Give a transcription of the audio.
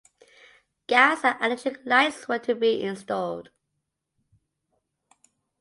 Gas and electric lights were to be installed.